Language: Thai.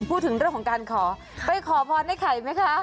พูดถึงเรื่องของการขอไปขอพรไอ้ไข่ไหมคะ